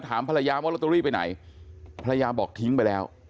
ถามภรรยาว่าลอตเตอรี่ไปไหนภรรยาบอกทิ้งไปแล้ว